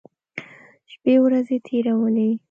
شپې ورځې تېرولې.